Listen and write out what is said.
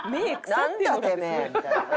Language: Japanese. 「なんだ？てめえ」みたいな。